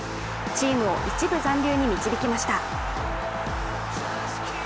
チームを１部残留に導きました。